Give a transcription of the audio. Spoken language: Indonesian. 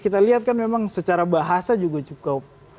kita lihat kan memang secara bahasa juga cukup